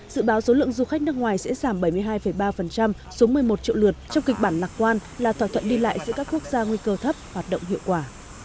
dự báo số lượng du khách nước ngoài sẽ giảm bảy mươi hai ba xuống một mươi một triệu lượt trong kịch bản lạc quan là thỏa thuận đi lại giữa các quốc gia nguy cơ thấp hoạt động hiệu quả